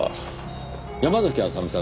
山嵜麻美さん